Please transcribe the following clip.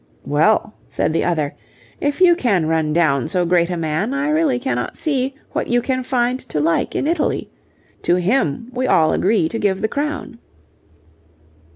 'Well,' said the other, 'if you can run down So great a man, I really cannot see What you can find to like in Italy; To him we all agree to give the crown.'